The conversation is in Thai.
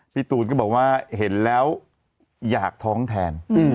พี่ตูนก็บอกว่าเห็นแล้วอยากท้องแทน